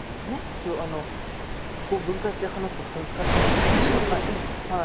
一応あのそこを分解して話すと恥ずかしいんですけどはい。